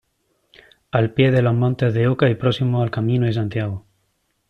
Al pie de los Montes de Oca y próximo al Camino de Santiago.